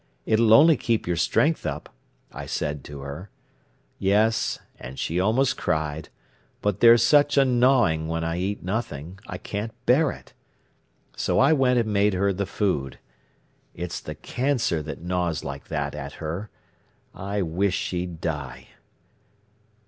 'It'll only keep your strength up,' I said to her. 'Yes'—and she almost cried—'but there's such a gnawing when I eat nothing, I can't bear it.' So I went and made her the food. It's the cancer that gnaws like that at her. I wish she'd die!"